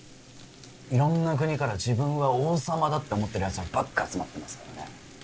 いろんな国から自分は王様だって思ってるやつらばっか集まってますからね